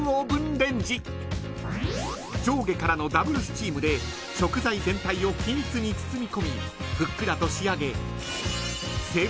［上下からのダブルスチームで食材全体を均一に包み込みふっくらと仕上げ］